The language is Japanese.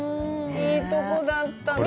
いいとこだった。